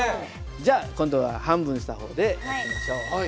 じゃあ今度は半分にした方でやってみましょう。